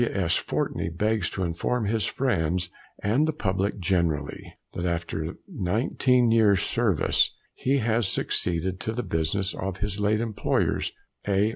W. S. Fortey begs to inform his friends and the public generally, that after 19 years' service, he has succeeded to the business of his late employers (A.